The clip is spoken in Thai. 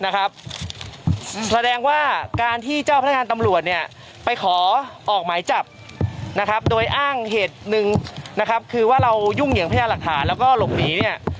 แสดงว่าการที่เจ้าพนักงานตำรวจไปขอออกไหมจับโดยอ้างเหตุหนึ่งคือว่าเรายุ่งเหยียงพญานหลักฐานแล้วก็หลบหนี